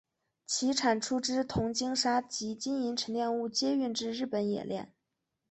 其产出之铜精砂及金银沉淀物皆运至日本冶炼。